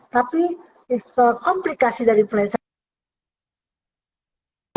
tapi komplikasi dari influenza